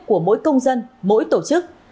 của mỗi công dân mỗi tổ chức